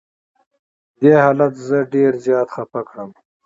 دې حالت زه ډېر زیات خفه کړم.